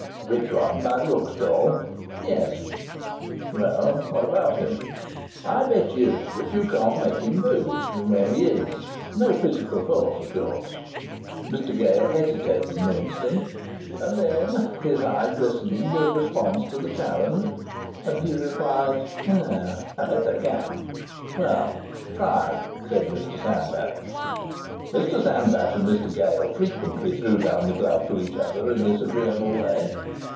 "Which one by the bookstall?" "Yes." "Well, what about him?" "I bet you you can't make him move from where he is no physical force, of course." Mr Gale hesitated an instant, and then his eye glistened with response to the challenge, and he replied: "I bet you I can." "Well, try," said Mr Sandbach. Mr Sandbach and Mr Gale frequently threw down the glove to each other in this agreeable way.